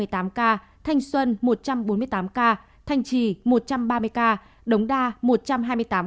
thanh xuân một trăm bốn mươi tám ca thanh trì một trăm ba mươi ca đống đa một trăm hai mươi tám ca